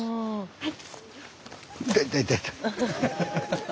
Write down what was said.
はい。